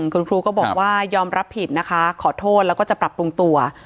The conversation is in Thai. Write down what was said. คุณครูก็บอกว่ายอมรับผิดนะคะขอโทษแล้วก็จะปรับปรุงตัว